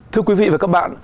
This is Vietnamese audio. thưa quý vị và các bạn